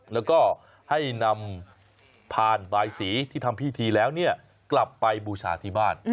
แล้วก็ให้นำพานบายสีที่ทำพิธีแล้วกลับไปบูชาที่บ้าน